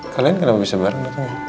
kalian kenapa bisa bareng